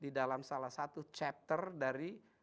di dalam salah satu chapter dari